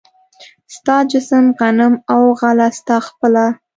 ستا جسم، غنم او غله ستا خپله